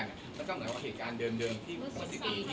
คนเราถ้าใช้ชีวิตมาจนถึงอายุขนาดนี้แล้วค่ะ